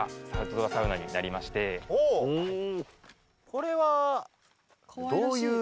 これはどういう？